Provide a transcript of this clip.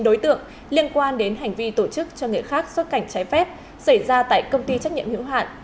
chín đối tượng liên quan đến hành vi tổ chức cho nghệ khác xuất cảnh trái phép xảy ra tại công ty trách nhiệm hữu hạn